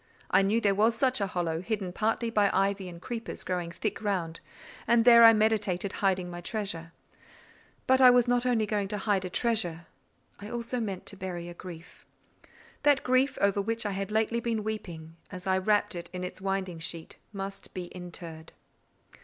I knew there was such a hollow, hidden partly by ivy and creepers growing thick round; and there I meditated hiding my treasure. But I was not only going to hide a treasure—I meant also to bury a grief. That grief over which I had lately been weeping, as I wrapped it in its winding sheet, must be interred.